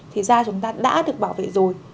thì da chúng ta đã được bảo vệ rồi